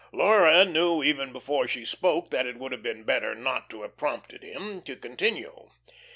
Laura knew even before she spoke that it would have been better not to have prompted him to continue.